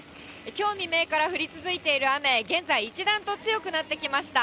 きょう未明から降り続いている雨、現在、一段と強くなってきました。